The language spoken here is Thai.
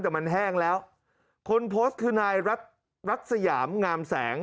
แต่มันแห้งแล้วคนโพสต์คือนายรัฐสยามงามแสง